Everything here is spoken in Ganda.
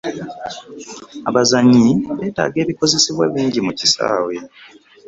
Abazannyi betaaga ebikozesebwa bingi mu kisaawe.